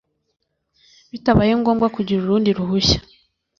bitabaye ngombwa kugira urundi ruhushya